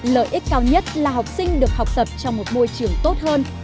lợi ích cao nhất là học sinh được học tập trong một môi trường tốt hơn